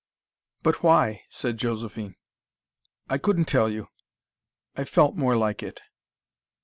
"But why?" said Josephine. "I couldn't tell you. I felt more like it."